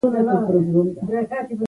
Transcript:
پانګه اچونه وکړي.